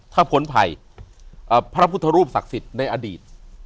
ถ้าพ้นภัยพระพุทธรูปศักดิ์สิทธิ์ในอดีต